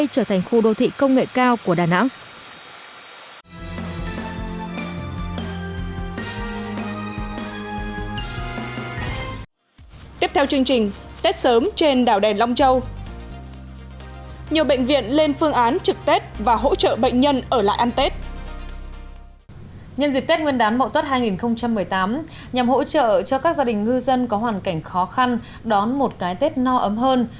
trong bộ tuất hai nghìn một mươi tám nhằm hỗ trợ cho các gia đình ngư dân có hoàn cảnh khó khăn đón một cái tết no ấm hơn